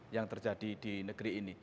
yang terjadi di negeri ini